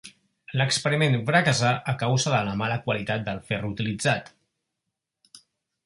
L'experiment fracassà a causa de la mala qualitat del ferro utilitzat.